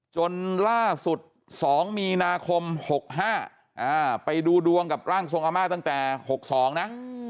จนล่าสุดสองมีนาคมหกห้าอ่าไปดูดวงกับร่างทรงอาม่าตั้งแต่หกสองนะ